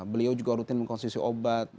beliau juga rutin mengkonsumsi obat